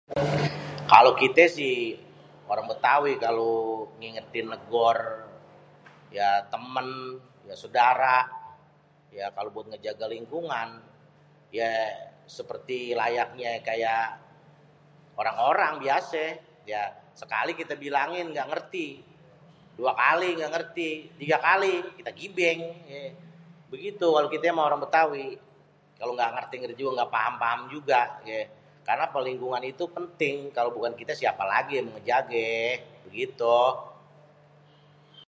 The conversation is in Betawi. Kalo kité sih orang Bétawi kalo ngingetin negor ya temen ya sodara ya kalo buat ngejaga lingkungan ye seperti layaknyé kayak orang-orang biasé. Ya sekali kita bilangin kaga ngerti, dua kali gak ngeri tiga kali kita gibéng ye begitu kalo kita mah orang Bétawi kalo gak ngerti juga gak paham-paham juga ye.karena kalo lingkungan itu penting kalo bukan kité siapa lagi yang mau ngejagé begitu.